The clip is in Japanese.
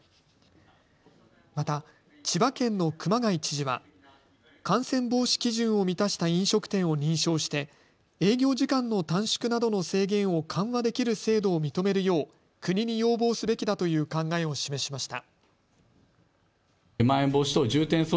また千葉県の熊谷知事は感染防止基準を満たした飲食店を認証して営業時間の短縮などの制限を緩和できる制度を認めるよう国に要望すべきだという考えを示しました。